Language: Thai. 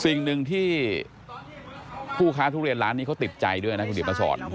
สิ่งหนึ่งที่ผู้ค้าทุเรียนร้านนี้เขาติดใจด้วยนะคุณเดี๋ยวมาสอน